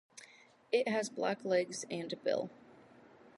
It has black legs and bill.